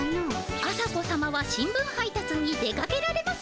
朝子さまは新聞配たつに出かけられます